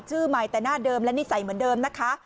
ชื่อใหม่แต่หน้าเดิมและนิสัยเหมือนเดิมนะคะ